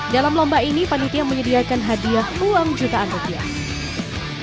dalam lomba ini panitia menyediakan hadiah uang jutaan rupiah